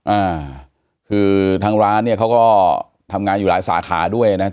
อ่าคือทางร้านเนี่ยเขาก็ทำงานอยู่หลายสาขาด้วยนะครับ